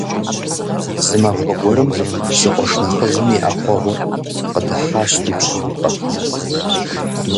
Зы махуэ гуэрым си къуэш нэхъыжьым и Ӏэхъуэгъур къыдыхьащ ди пщӀантӀэ.